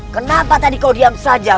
kenapa tadi kau diam saja